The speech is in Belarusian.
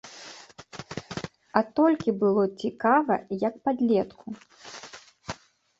А толькі было цікава як падлетку.